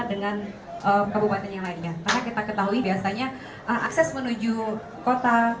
dengan kabupaten yang lainnya karena kita ketahui biasanya akses menuju kota